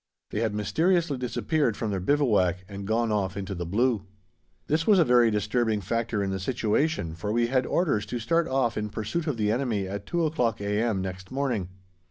They had mysteriously disappeared from their bivouac and gone off into the blue. This was a very disturbing factor in the situation, for we had orders to start off in pursuit of the enemy at 2 o'clock a.m. next morning.